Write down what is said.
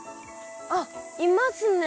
あっいますね。